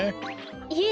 いえ。